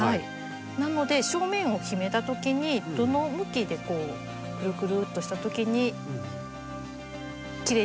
なので正面を決めたときにどの向きでくるくるっとしたときにきれいに見えるかっていう。